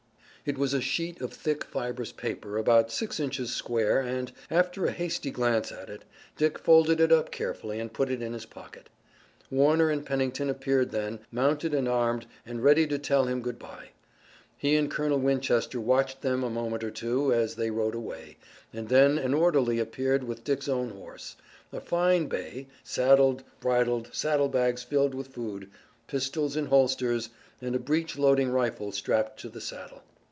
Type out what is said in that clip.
It was a sheet of thick fibrous paper about six inches square and, after a hasty glance at it, Dick folded it up carefully and put it in his pocket. Warner and Pennington appeared then, mounted and armed and ready to tell him good bye. He and Colonel Winchester watched them a moment or two as they rode away, and then an orderly appeared with Dick's own horse, a fine bay, saddled, bridled, saddlebags filled with food, pistols in holsters, and a breech loading rifle strapped to the saddle.